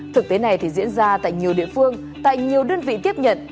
thực tế này thì diễn ra tại nhiều địa phương tại nhiều đơn vị tiếp nhận